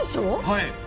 はい。